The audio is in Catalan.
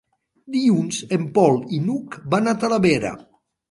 Dilluns en Pol i n'Hug van a Talavera.